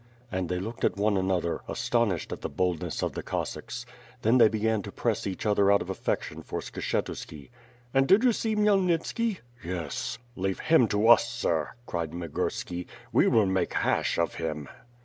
And they looked at one another, astonished at the boldness of the Cossacks. Then they began to press each other out of affection for Skshetuski. "And did you see Khmyelnitski?" "Yes." "Leave him to us, sir," cried Migurski. '^e will make hash of him."